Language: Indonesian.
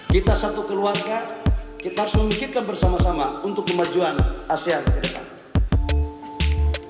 kita satu keluarga kita harus memikirkan bersama sama untuk kemajuan asean ke depan